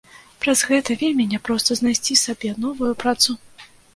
Праз гэта вельмі не проста знайсці сабе новую працу.